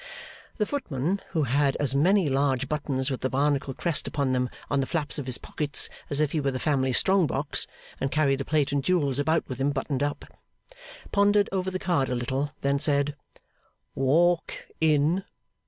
The footman (who had as many large buttons with the Barnacle crest upon them on the flaps of his pockets, as if he were the family strong box, and carried the plate and jewels about with him buttoned up) pondered over the card a little; then said, 'Walk in.